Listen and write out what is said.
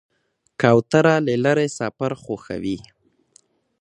کوتره له لرې سفر خوښوي.